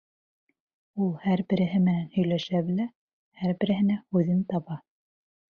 Ул һәр береһе менән һөйләшә белә, һәр береһенә һүҙен таба.